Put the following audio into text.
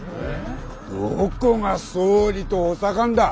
どこが総理と補佐官だ。